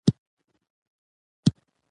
موږ باید یو بل وبخښو او له کینې ځان وساتو